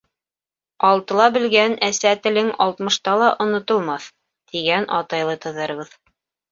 Алтыла белгән әсә телең алтмышта ла онотолмаҫ, тигән атай-олатайҙарыбыҙ.